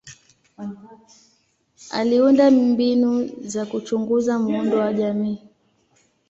Aliunda mbinu za kuchunguza muundo wa jamii.